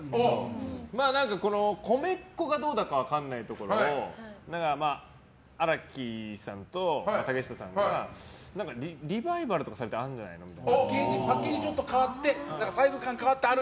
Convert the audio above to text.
コメッコがどうだか分からないところを荒木さんと竹下さんがリバイバルとかされてあるんじゃないかなって。